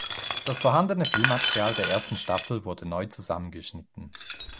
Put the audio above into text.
Das vorhandene Film-Material der ersten Staffel wurde neu zusammen geschnitten.